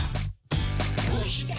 「どうして？